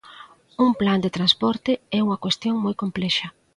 Un plan de transporte é unha cuestión moi complexa.